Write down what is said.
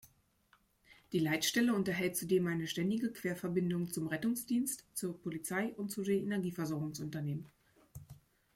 Die Leitstelle unterhält zudem eine ständige Querverbindung zum Rettungsdienst, zur Polizei und den Energieversorgungsunternehmen.